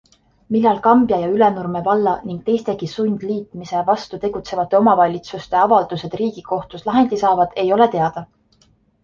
Millal Kambja ja Ülenurme valla ning teistegi sundliitmise vastu tegutsevate omavalitsuste avaldused riigikohtus lahendi saavad, ei ole teada.